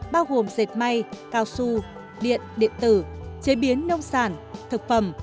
bao gồm dệt may cao su điện điện tử chế biến nông sản thực phẩm